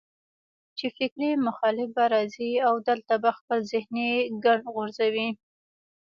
چې فکري مخالف به راځي او دلته به خپل ذهني ګند غورځوي